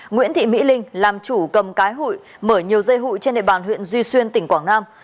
nguyễn thị mỹ linh làm chủ cầm cái hụi mở nhiều dây hụi trên địa bàn huyện duy xuyên tỉnh quảng nam